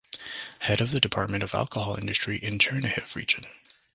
Head of the Department of Alcohol Industry in Chernihiv region.